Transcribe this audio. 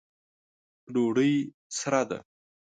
ډوډۍ سره ده